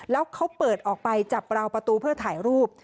แล้วเขาเปิดออกไปจับราวประตูเพื่อถ่ายรูป